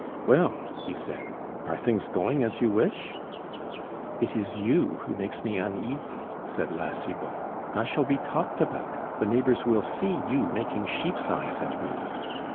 "Well," he said, "are things going as you wish?" "It is you who makes me uneasy," said La Cibot. "I shall be talked about; the neighbors will see you making sheep's eyes at me."